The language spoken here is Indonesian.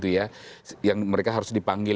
yang mereka harus dipanggil